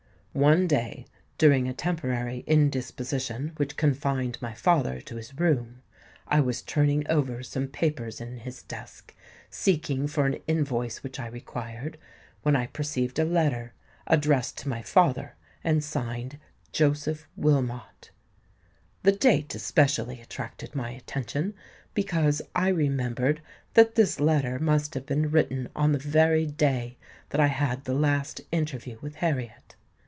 One day, during a temporary indisposition which confined my father to his room, I was turning over some papers in his desk, seeking for an invoice which I required, when I perceived a letter addressed to my father and signed Joseph Wilmot. The date especially attracted my attention, because I remembered that this letter must have been written on the very day that I had the last interview with Harriet.